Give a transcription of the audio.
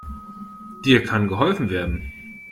Dir kann geholfen werden.